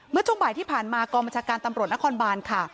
ช่วงบ่ายที่ผ่านมากองบัญชาการตำรวจนครบานค่ะ